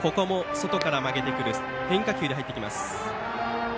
外から曲げてくる変化球で入ってきます。